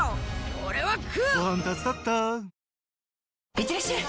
いってらっしゃい！